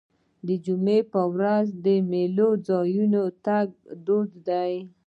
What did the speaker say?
د جمعې په ورځ د میلو ځایونو ته تګ دود دی.